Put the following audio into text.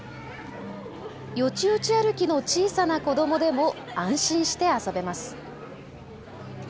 よちよち歩きの小さな子どもでも安心して遊べます。